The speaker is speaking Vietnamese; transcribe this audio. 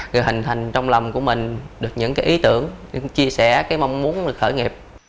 rồi hình thành trong lòng của mình được những cái ý tưởng chia sẻ cái mong muốn được khởi nghiệp